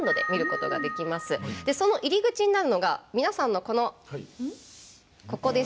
でその入り口になるのが皆さんのこのここです。